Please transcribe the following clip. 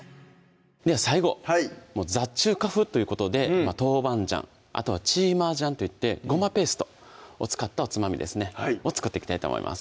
では最後ザ・中華風ということで豆板醤あとは芝麻醤といってごまペーストを使ったおつまみですねを作っていきたいと思います